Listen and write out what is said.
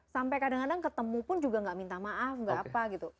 sampai kadang kadang ketemu pun juga nggak minta maaf nggak apa gitu